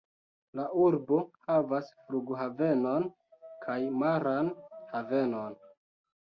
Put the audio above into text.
La urbo havas flughavenon kaj maran havenon.